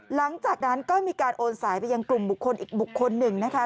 หลังจากนั้นก็มีการโอนสายไปยังกลุ่มบุคคลอีกบุคคลหนึ่งนะคะ